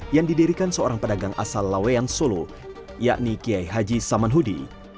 yang didirikan seorang pedagang asal laweyan solo yakni kiai haji samanhudi